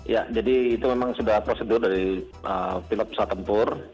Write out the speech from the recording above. ya jadi itu memang sudah prosedur dari pilot pesawat tempur